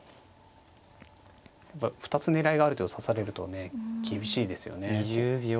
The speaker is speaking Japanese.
２つ狙いがある手を指されるとね厳しいですよね。